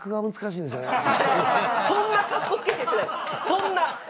そんな。